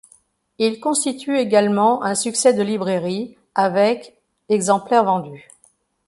Il constitue également un succès de librairie avec exemplaires vendus.